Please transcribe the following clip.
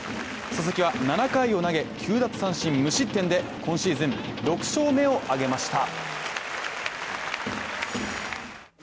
佐々木は７回を投げ、９奪三振無失点で今シーズン、６勝目を挙げました。